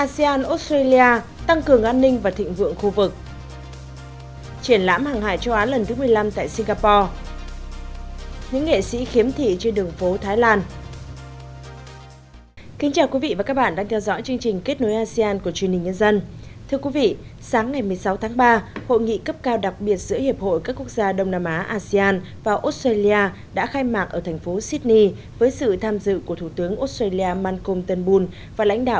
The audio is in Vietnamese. các bạn hãy đăng ký kênh để ủng hộ kênh của chúng mình nhé